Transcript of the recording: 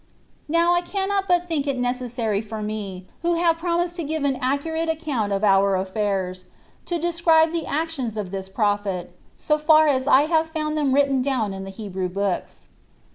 2. Now I cannot but think it necessary for me, who have promised to give an accurate account of our affairs, to describe the actions of this prophet, so far as I have found them written down in the Hebrew books.